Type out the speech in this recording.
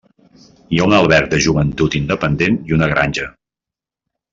Hi ha un alberg de joventut independent i una granja.